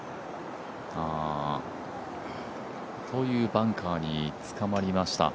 バンカーにつかまりました。